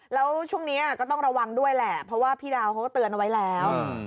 แล้วช่วงนี้ก็ต้องระวังด้วยแหละเพราะว่าพี่ดาวเขาก็เตือนเอาไว้แล้ว